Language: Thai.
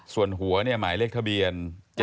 ส่วนหัวเนี่ยหมายเลขทะเบียน